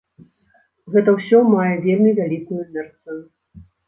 Гэта ўсё мае вельмі вялікую інерцыю.